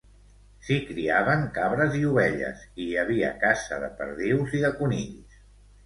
S'hi criaven cabres i ovelles, i hi havia caça de perdius i de conills.